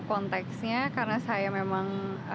konteksnya karena saya memang